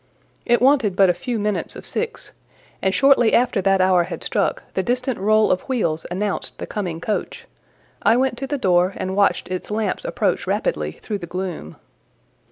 It wanted but a few minutes of six, and shortly after that hour had struck, the distant roll of wheels announced the coming coach; I went to the door and watched its lamps approach rapidly through the gloom.